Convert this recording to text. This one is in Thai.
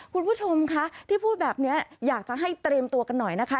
คุณผู้ชมคะที่พูดแบบนี้อยากจะให้เตรียมตัวกันหน่อยนะคะ